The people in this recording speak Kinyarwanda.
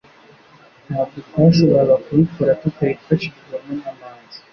Ntabwo twashoboraga kubikora tutabifashijwemo na Manzi.